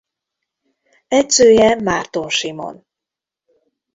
Edzője Márton Simon.